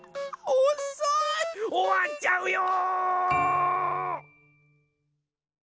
おわっちゃうよ！